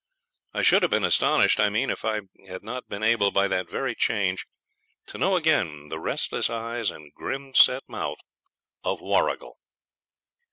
I should have been astonished, I mean, if I had not been able, by that very change, to know again the restless eyes and grim set mouth of Warrigal.